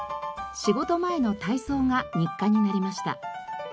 仕事前の体操が日課になりました。